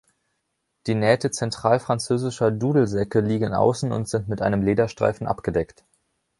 Die Nähte zentralfranzösischer Dudelsäcke liegen außen und sind mit einem Lederstreifen abgedeckt.